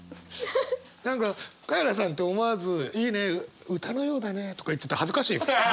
何かカエラさんって思わず「いいね。歌のようだね」とか言ってて恥ずかしい！